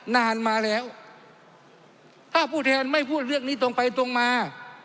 นานมาแล้วถ้าผู้แทนไม่พูดเรื่องนี้ตรงไปตรงมา